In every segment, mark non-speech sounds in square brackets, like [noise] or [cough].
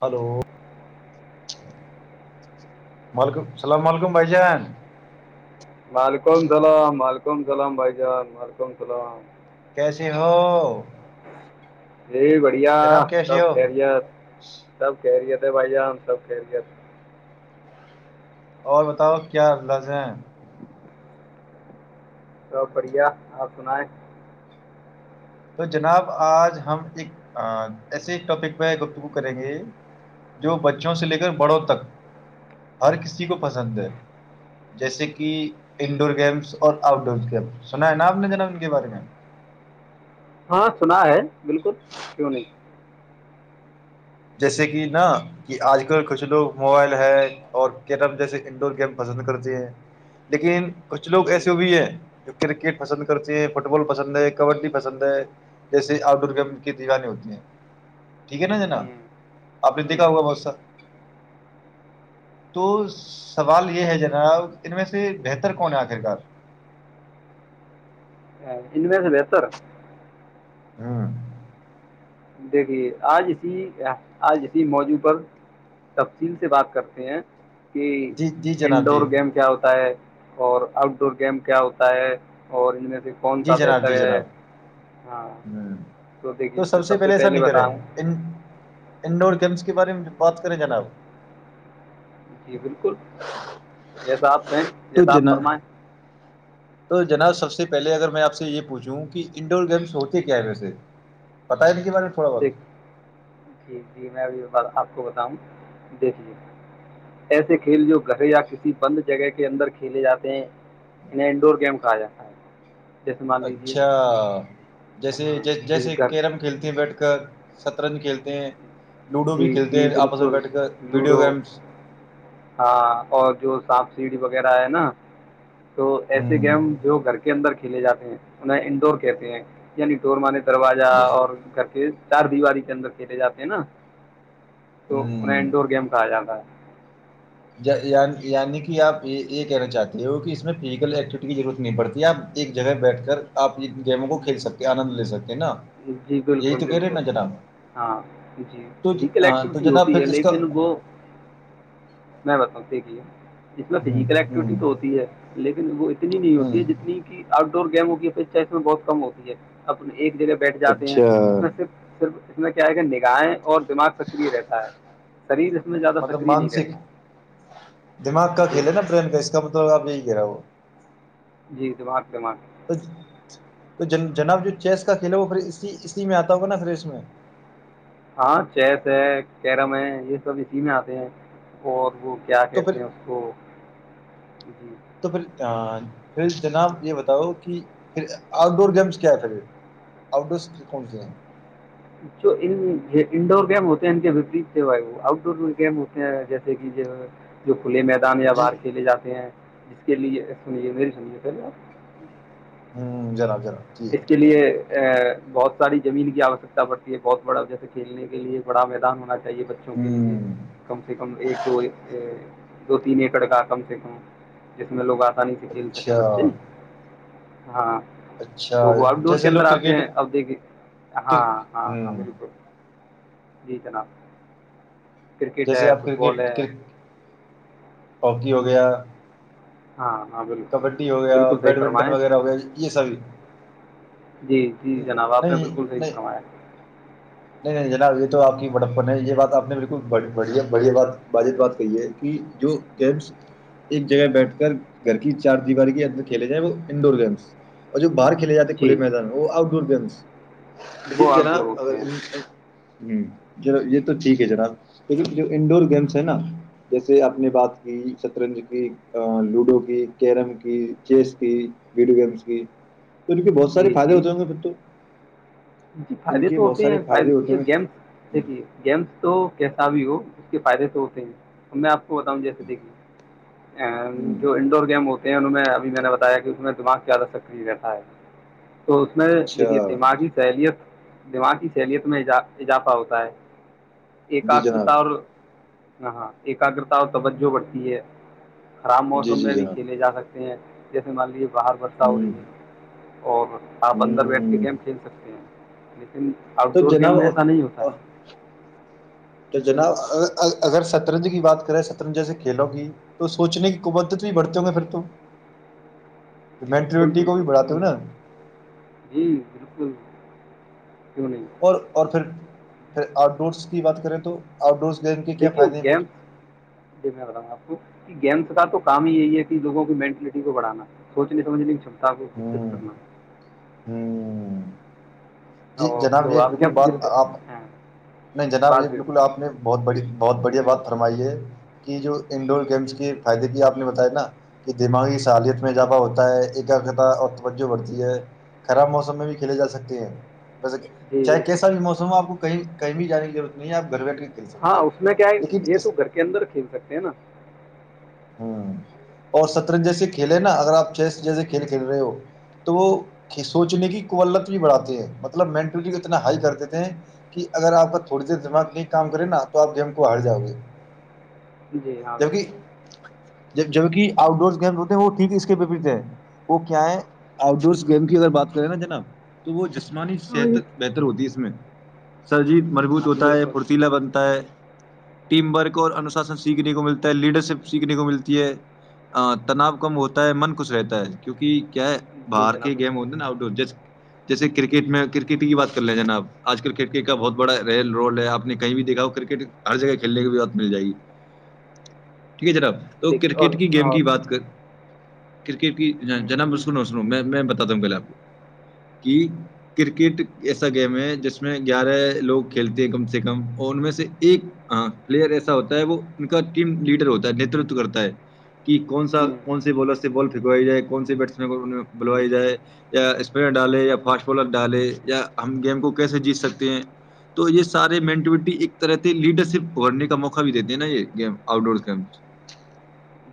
Hello وعلیکم اللام علیکم بھائی جان مالکم سلام مالکم سلام بھائی جان ملکم سلام کیسے ہو جی بڑھیا جناب کیسے سب ہو خیریت سب کہہرییے تھے بھائی ج ہم سب کہ رہیے تھ اور بتاؤ کیا لجیں سب بڑھیا آپ سنایں تو جناب آج ہم ایک ایسے ایک ٹاپک پہ گپتگو کریں گے جو بچوں سے لے کر بڑوں تک ہر کسی کو پسند ہے جیسے کہ انڈور گیمس اور آؤٹ ڈور گیم سنا ہے نا آپ نے جناب ان کے بارے میں ہاں سنا ہے بالکل کیوں نہیں جیسے کہ نا کہ آج کل کچھ لوگ موبائل ہے اور کیرم جیسے انڈور گیم پسند کرتے ہیں لیکن کچھ لوگ جی ایسے وہ بھی ہیں جو کرکٹ پسند کرتے ہیں فٹ بال پسند ہے کبڈی پسند ہے جیسے آؤٹ ڈور گیم کی دیوانی ہوتی ہیں ٹھیک ہے نا جناا ہوں آپ نے جی دیکھا ہوگا جی بہت سا تو سوال یہ ہے جنا ان میں سے بہتر کون ہے آخرکار اے، ان میںس بی سر ہاں دیکھیے آج اسی آج اسی موضوع پر تفصیل سے بات کرتے ہیں کہ جی جی جناب انڈور جی گیم کیا ہوتا ہے اور آؤٹ ڈور گیم کیا ہوتا ہے اور ان میں فون جی س جناب جی رہر جناب ہاں ہ تو د پہلے ایسا نہیں کرے ان ان انڈ گمس کے بارے میں بات کریں جناب [unintelligible] جی بالکل جیسا آپ کہیں تو جیسا آپ جناب فرمائیں [unintelligible] تو جناب سب سے پہلے اگر میں آپ سے یہ پوچھوں کہ انڈور گیمس ہوتے کیا ہے میں سے پتا ہے نہیں دیک جی جی میں ای ب آ [unintelligible] کو بتاؤں دیکھے ایسے کھیل جو گھر یا کسی بند جگہ کے اندر کھیلے جاتے ہیں انہیں انڈور گیم کہا جاتا ہے [unintelligible] لیجیے اچھا جیسے ہاں ج جی جیسے گھر کیرم کھیلتی ہیں بیٹھ کر [unintelligible] ست رن کھیلتے ہیں [unintelligible] جی بھی کھیلتے جی ہیں آپس میں بالکل بیٹھ کر ویڈیو لوڈو گیمس ہاں اور جو سپ سے [unintelligible] سیڑی وغیرہ ہے نا [unintelligible] تو ایسے ہوں گیم جو گھر کے اندر [unintelligible] کھیل جاتے ہیں انہیں انڈور کہتے ہیں یعنی ڈور مانےتے [unintelligible] دروازہ جی اور گکز [unintelligible] چار دیواریی کے اندر کھیلے جاتے ہیں نا [unintelligible] تو انہیں ہوں انڈور گیم کہا جاتا ہے [unintelligible] یعنی کہ آپ یہ کہنا چاہتے ہو کہ اس میں فزیکل ایکٹیوٹی کی ضرورت نہیں پڑتی آپ ایک جگہ بیٹھ کر آ گیموں کو کھیل سکتے آنند لے سکتے [unintelligible] جی یہی بالکل تو کہہ رہے ہیں بالکل نا جناب ہاں جی تو فزیکل ہاں تو ایکٹیوٹی جناب ہوتی ہے پھر اس کا لیکن وہ [unintelligible] میں بتاؤوں ٹھیک ہی ہے [unintelligible] ج میں ہ فزیکل ایکٹیویٹی تو ہوتی ہے لیکن وہ [unintelligible] نی نہیں ہ ہوتی ہے ہ جتنی کہ آؤ [unintelligible] گیموں کی اپیکھا اس میں بہت کم ہوتی ہے اپنی ایک جگہ [unintelligible] بیٹھ جاتے ہیں اچھا اس میں صرف صرف کیا ہے کہ نگاہیں اور دماغ سکری رہتا ہے شریر اس میں زیادہ مطلب سکریہ نہیں مانسک رہتا دماغ کا کھیل جی ہے نا برین کا اس کا مطلب آپ یہی کہہ رہا ہو جی دمار دم تو جن جناب جو چیس کا کھیل ہے وہ اسی اسی میں آتا ہوگا نا پری اس میں ہاں چیس ہے کیرم ہے یہ سب اسی میں آتے ہیں اور وہ کیا تو کہتے پھر ہیں اس کو جی تو پھر پھر جناب یہ بتاؤ کہ پھر آؤٹ ڈور گیمس کیا ہے پھر آؤٹ ڈورس کون سی ہیں جو ان انڈور گیم ہوتے ہیں ان کےپریت سے آؤٹ ڈور گیم ہوتے ہیں جیسے کہ کھلے میدان یا جی باہر کھیلے جاتے ہیں کے لیے سنیے سجے پہلے آپ ہوں جناب جناب جی اس کے لیے بہت ساری زمین کی آوشکتا پڑتی ہے بہت بڑا و جیسے کھیلنے کے لیے بڑا میدان ہونا چاہے چاہیے بچوں کے لیے ہ کم سے کم ایک دو دو تین ایکڑ کا کم سے کم جس میں لوگ آتے پانی سے کھیل سکیں اچھا بچے ہاں اچھا تو وہ آؤٹ ڈور کے جیسے لوگ اندر آتے کرکٹ ہیں اب دیکھے ہاں ہ ہاں ہاں بالکل جی جناب کرکٹ ہے جیسے آپ فٹ بال ہے کرکٹ کر اکے ہو گیا ہاں ہاں بالکل کبڈی ہو گیا بالکل صحیح بیڈمنٹن فرمائیں وغیرہ ہو گیا یہ سبھی جی جی جناب آپ نہیں نے نہیں بالکل صی نہیں فرمایا جناب یہ یہ بک گم ایک جگہ بیٹھ کر گھر کی چار دیاری کھیلے جائ وہ انڈ گم اور باہر کھیل جاتے کھلے جی میدان وہ آؤٹ ڈور گیمس وہ آؤٹ ڈور جناب ہوتے اگر ہیں ہ ج یہ تو ٹھیک ہے جناب لیکن جو انڈور گیمس ہے نا جیسے آپ نے بات کی شطرنج کی لوڈو کی کیرم کی چیس کی ویڈیو گیمس کی تو کیونہ بہت سارے جی فائدے جی ہوتے ہوں گے پھر تو ان فائدے کے تو بہت ہوتے سارے ہیں فائدے ہوتے ہیں گیمس ہوں دیکھی گیمس تو کیسا بھی ہو اس کے فائدے سے ہوتے ہیں تو میں آپ بتا ہوں جیسے دیکھی ہوں، جو انڈور گیم ہو ان میں ابھی میں نے بتایا کہ اس میں دماغ زیادہ سکری رہتاا ہے تو اس میں اچھا دیکھیے دماغی دماغ کی شہلیت میں اضافہ ہوتا ہے جی ایکاگرتا جناب اور ہاں ہاں ایکاگگرتا اور توجہ بڑھتی ہے خراب جی موسم جی میں بھی جناب کھیلے جا سکتے ہیں جیسے مان لیجے باہر برسہ ہو ہوں رہی ہے اور آپ اندر بیٹھ کے ہوں گیم کھیل سکتے ہیں آؤٹ تو ڈور جناب گیم میں ایسا نہیں ہوتا ہے تو جناب اگر سطرنج کی بات کریں سترنج جیسے کھیلوں کی تو سوچنے کی قبدت بھی بڑھتے ہوں گے پھر تو جی بالکل مینٹلٹی کو بالکل بھی کیوں بڑھاتے ہو نا نہیں جی بالکل کیوں نہیں اور اور پھر پھر آؤٹ ڈورس بات کریں تو آؤٹ ڈورس کی دیکھیو گیمس ڈ میں بتاؤں گا آپ کو کہ گیمس کا تو کام ہی یہی ہے کہوگوں کی مینٹلٹی کو بڑھانا سوچنے سمجھنے تاب کو ہ گکست کرنا ہ جی اور جناب تو یہ آپ بالکل کیا پوچھ رہے بات تھے عام ہے ہاں نہیں جناب یہ بازی بالکل آپ نے بہت بڑی بہت بڑھیا بات فرمائیے کہ جو انڈور گیمس کے فائدے کی آپ نے بت نا کہ دماغی ست میں اضافہ ہوتا ہے ایکتا اور توجہ بڑھتی ہے خراب موسم میں بھی کھیلے جا سکتے ہیں ویسے جی چاہے بالکل کیسا بھی موسم ہو آپ کو کہیں بھی جان کیضرورت نہیں آپھر بیٹے ہاں اس میں کیا ہے یہ تو گھر کے اندر کھیل سکتے ہیں نا ہ اور سترنج جیس کھیلے نا اگر آپ چیس جیسے کھیل کھیل رہے ہو تو وہ سوچنے کی کوولت بھی بڑھاتے ہیں مطلب مینٹلٹی اتنا ہائی کر دیتے ہیں کہ اگر آپ کا تھوڑی دیر دماغ میں کام کرے نا تو آپ گیم کو ہار جاؤ گے جی ہاں بالکل جب جبک آؤٹ ڈور گیم ہوتے ہیں وہ ٹھیک ہے اس کے پپریت ہے وہ کیا ہے آؤٹ ڈورس گیم کی اگر بات کریں نا جناب تو وہ ج جسمانی صحت بہتر ہوتی ہے اس میں سر جی مضبوط ہاں جی ہوتا ہے بالکل پھرتیلا بنتا ہے ٹیم ورک اور انوشاسن سیکھنے کو ملتا ہے لیڈر شپ سیکھنے کو ملتی ہے تناؤ کم ہوتا ہے من خوش رہتا ہے کیونکہ کیا ہے جی باہر جناب کی گیم ہوی بالکل نا آؤٹ ڈور جیسے کرکٹ میں کرکٹ کی بات کر لیں جناب آج کل کرکٹ کا بہت بڑا رول ہے آپ نے کہیں بھی دیکھا ہو کرکٹ ہر جگہ کھیلنے کی بھی بات مل جائے گی ٹھیک ہے جناب تو دیکھیے اور کرکٹ کی گیم اور- کی بات کر کرکٹ کی ہوں، جنا م ہوں، میں پہل آپ کو کہ کرکٹ ایسا گیم ہے جس میں گیارہ لوگ کھیلتے ہیں کم سے کم اور ان سے ایک ہ پلیئر ایسا ہوتا ہے وہ ان کا ٹیم لیڈر ہوتا ت کرتا ہے کہ کون سا ہوں، کون سے بالر سے بال پنکوائی جائے کون سے بیٹ بلو جائے یاپنر ڈالے یا فسٹ بالر ڈالے یا ہم گیم کو کیسے جیت سکتے ہیں تو یہ سارے مینٹٹی ایک طرح لیڈر شپ اگڑنے کا موقع بھی دیتے ہیں نا یہ گم آؤٹ ڈور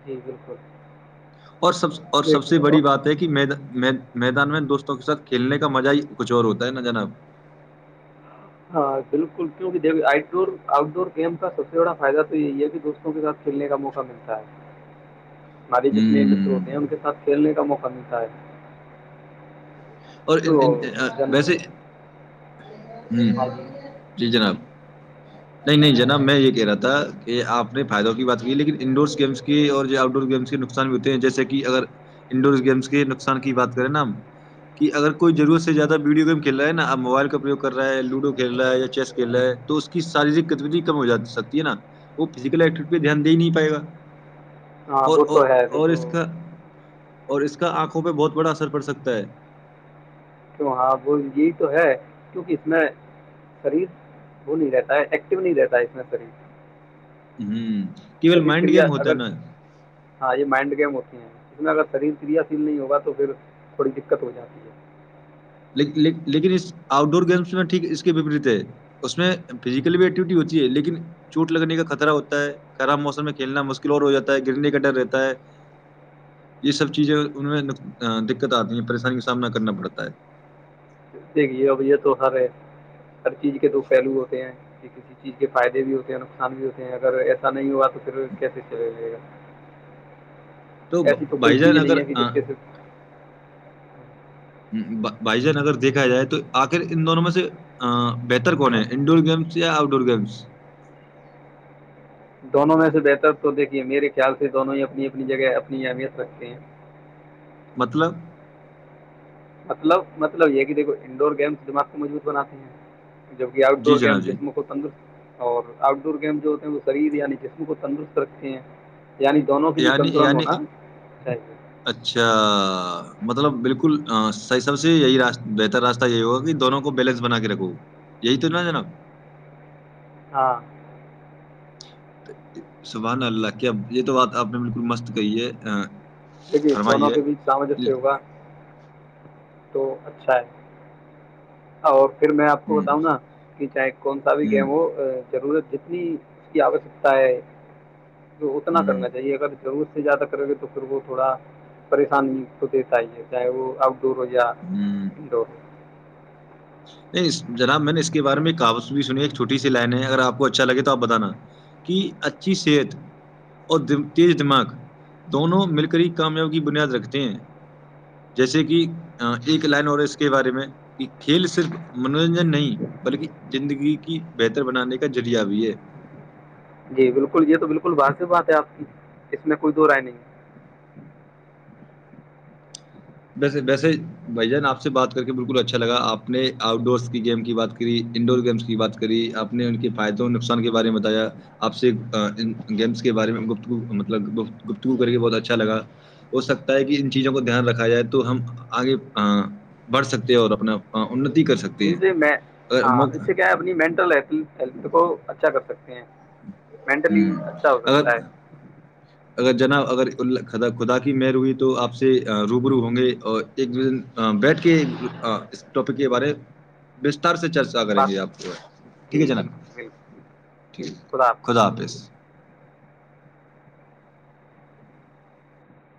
جی بالکل اور سب اور سب دیکھیے سے اور بڑی بات ہے کہید میدان میں دوستوں تو ساتھ کھیلنے کا مزہ ہی کچھ اور ہوتا ہے نا جناب بالکل کیوںک د آٹ ڈور آؤٹ ڈور گیم کا سب سے بڑا فائدہ تو یہی ہے کہ دوستوں کے ساتھ کھیلنے کا موقع ملتا ہے ہمارے جتنے متر ہوں ہوتے ہیں ان کے ساتھ کھیلنے کا موقع پنتا ہے اور تو جن ویسے ہاں جی ہوں جی جناب نہیں نہیں جناب میں یہ کہہ رہا تھا کہ آپ نے فائدوں کی بات کی لیکن انڈورس گیمس کے اور جو آؤٹ ڈور گیمس کے نقصان بھی ہوتے ہیں جیسے کہ اگر انڈور گیمس کے نقصان کی بات کریں نا کہ اگر کوئی ضرورت سے زیادہ ویڈیو گیم کھی رہا ہے نا ا موبائل کا پروگ کر رہا ہے لوڈو کھیل رہا ہے یا چیس کھی رہا ہے تو اس کی شاریک ک کم ہو جا سکتی ہے نا وہ فزیکل ایکٹیوٹی پہ دھیان د ہی نہیں پائے گا ہاں اور وہ تو اور ہے اور دیکھو اس کا اور اس کا آنکھوں پہ بہت بڑا اثر پڑ سکتا ہے کیوں ہاں وہ یہی تو ہے کیونکہ اس میں شریر وہ نہیں رہتا ہے ایکٹو نہیں رہتا ہے اس میں شریر ہوں خریید کریا اگر ہاں یہ مائنڈ گیم ہوتی ہیں اس میں اگر شریر کریا شیل نہیں ہوگا تو پھر تھوڑی دقت ہو جاتی ہے لیکن اس آؤٹ ڈور گیمس میں ٹھیک اس کےپریت ہے اس میں فزیکل بھی ایکٹیوٹی ہوتی ہے لیکن چوٹ لگنے کا خطرہ ہوتا ہے خراب موسم میں کھیلنا مشکل اور ہو جاتا ہے گرنے کا ڈر رہتا ہے یہ سب چیزیں ان میں دقت آتی ہیں پریشانی کا سامنا کرنا پڑتا ہے دیک یہ اب یہ تو ہر ہے ہر چیز کے تو پہلو ہوتے ہیں کہ کسی چیز کے فائدے بھی ہوتے ہیں نقصان بھی ہوتے ہیں اگر ایسا نہیں ہوا پر کیسے چلا جائے گا تو ایسی کوئی بھائی چیز جان اگر نہیں ہے کہ آ جس ہ کے صرف بھائی جان اگر دیکھا جائے تو آخر ان دونوں میں سے ا بہتر کون ہے انڈور گیمس یا آؤٹ ڈور گیمس دونوں میں سے بہتر تو دیکھیے میرے خیال سے دونوں ہی اپنی اپنی جگہ اپنی اہمیت رکھتے ہیں مطلب مطلب مطلب یہ کہ دیکھو انڈور گیمس دماغ کو مضبوط بناتے ہیں جبکہ آؤٹ جی ڈور گیم جناب جی جس میں خ تندرست اور آؤٹ ڈور گیم جو ہوتے ہیں وہ شریر یعنی جسم کو تندرست رکھتے ہیں یعنی دونوں کے بیچ یعنی سنتولن یعنی ہونا چاہیے اچھا مطلب بالکل صیح سب سے یہیاست بہتر راستہ یہی ہوگا کہ دونوں کو بیلنس بنا کے رکھو یہی تو نا جناب ہاں سبحان اللہ کیاب یہ تو بات آپ نے بالکل مست کہی ہے ہ دیکھیے دونوں کے بیچ سامجس ہوگا تو اچھا ہے اور پھر میں آپ کو ہوں، بتاؤں نا کہ چاہے کون سا بھی ہوں، گیم ہو ضرورت جتنی اس کی آوشکتا ہے تو اتنا ہوں، کرنا چاہیے اگر ضرور زیادہ کرو گے تو پھر وہ تھوڑا پریشانی کو دیتا ہی ہے چاہے وہ اب دورج ہوں۔ انڈور [unintelligible] نہیں جناب میں نے اس کے بارے میں کاوس بھی سنی ایک چھوٹی سی لائن ہے اگر آپ کو اچھا لگے تو آپ بتانا کہ اچھی صحت اور تیز دماغ دونوں مل کری کامیاب کی بنیاد رکھتے ہیں جیسے کہ ایک لائن اور ہے اس کے بارے میں [unintelligible] کھیل صرف منورنجن نہیں بلکہ زندگی کی بہتر بنانے کا ذریعہ بھی ہے جی بالکل یہ تو بالکل باضف بات ہے آپ کی اس میں کوئی دو رائے نہیں ویسے ویسے بھ جان آپ سے بات کر کے بالکل اچھا لگا آپ نے آؤٹ ڈورس کی گیم کی بات کری انڈور گیمس کی بات کری آپ نے ان کے فائدوں اور نقصان کے بارے میں بتایا آپ سے گیمس کے بارے میں گتگ مطلب گ گتگو کر کے بہت اچھا لگ ہو سکتا ہے کہ ان چیزوں کو دھیان رکھا جائے [unintelligible] تو ہم آگے بڑھ سکتے اور اپنا اننتی کر سکتے ج ہیں سے اگر ہاں اس موقع سے کیا ہے اپنی مٹلھ کو اچھا کر سکتے ہوں مینٹلی ہوں، اچھا ہو سکتا ہے گر جناب اگر خدا کی مر ہوئی تو آپ سے روب رو ہوں گے اور ایک بیٹھ کے اس ٹاپک کے بارے بستار سے چرچا کریں بات گے آپ کو ٹھیک ہے جی جناب بالکل بالکل ٹھیک خدا حافظ